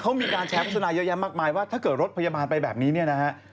เขามีการแชร์โฆษณาเยอะแยะมากมายว่าถ้าเกิดรถพยาบาลไปแบบนี้เนี่ยนะฮะ